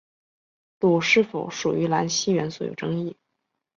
镥是否属于镧系元素有争论。